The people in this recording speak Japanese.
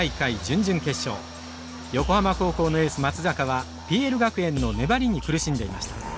横浜高校のエース松坂はＰＬ学園の粘りに苦しんでいました。